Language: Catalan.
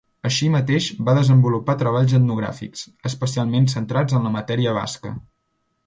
Així mateix va desenvolupar treballs etnogràfics, especialment centrats en la matèria basca.